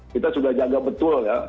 kita sudah jaga betul ya